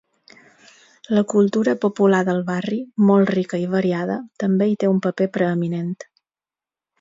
La cultura popular del barri, molt rica i variada, també hi té un paper preeminent.